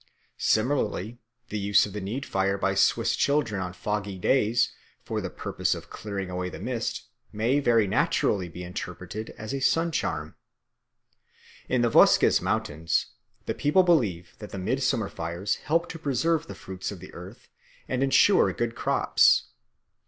Similarly the use of the need fire by Swiss children on foggy days for the purpose of clearing away the mist may very naturally be interpreted as a sun charm. In the Vosges Mountains the people believe that the midsummer fires help to preserve the fruits of the earth and ensure good crops.